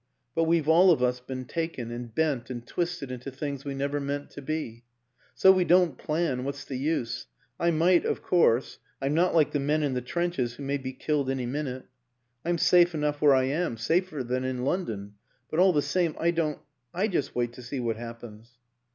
But we've all of us been taken and bent and twisted into things we never meant to be. ... So we don't plan what's the use ?... I might of course I'm not like the men in the trenches who may be killed any minute. I'm safe enough where I am safer than in London ; but all the same I don't. ... I just wait to see what hap pens."